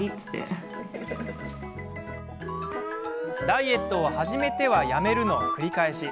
ダイエットを始めてはやめるの繰り返し。